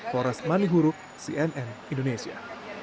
foras manihuru cnn indonesia